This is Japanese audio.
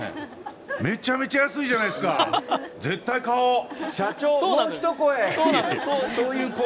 めちゃめちゃ安いじゃないですか、社長、もう一声！